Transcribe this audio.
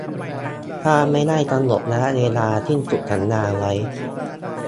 ถ้าไม่ได้กำหนดระยะเวลาสิ้นสุดสัญญาไว้